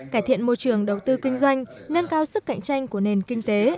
cải thiện môi trường đầu tư kinh doanh nâng cao sức cạnh tranh của nền kinh tế